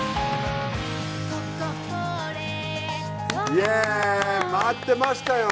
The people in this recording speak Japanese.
イエイ待ってましたよ！